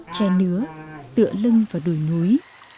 chè nứa tựa lưng và đồi núi